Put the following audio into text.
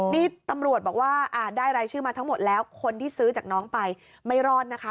นี่ตำรวจบอกว่าได้รายชื่อมาทั้งหมดแล้วคนที่ซื้อจากน้องไปไม่รอดนะคะ